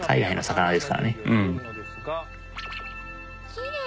きれい。